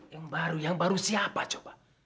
yang baru yang baru siapa coba